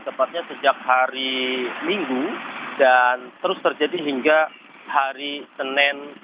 tepatnya sejak hari minggu dan terus terjadi hingga hari senin